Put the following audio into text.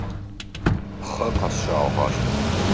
Пхъэ къэсщагъэр.